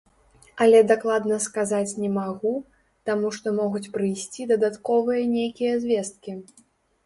Але дакладна сказаць не магу, таму што могуць прыйсці дадатковыя нейкія звесткі.